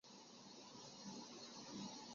网檐南星是天南星科天南星属的植物。